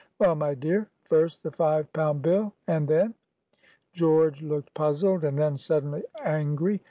"Well, my dear? First, the five pound bill, and then?" George looked puzzled, and then, suddenly, angry.